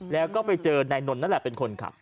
แล้วก็ไปเจอนายนนท์นั่นแหละเป็นคนขับ